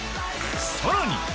さらに。